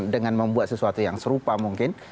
dengan membuat sesuatu yang serupa mungkin